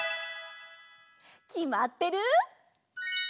きまってる？